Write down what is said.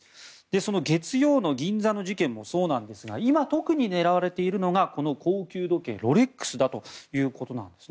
その月曜の銀座の事件もそうなんですが今、特に狙われているのが高級時計ロレックスだということです。